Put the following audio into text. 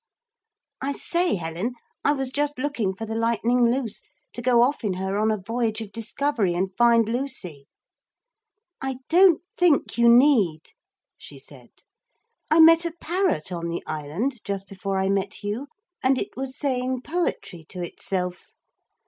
I say, Helen, I was just looking for the Lightning Loose, to go off in her on a voyage of discovery and find Lucy.' 'I don't think you need,' she said; 'I met a parrot on the island just before I met you and it was saying poetry to itself.'